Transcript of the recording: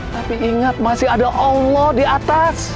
tapi ingat masih ada allah di atas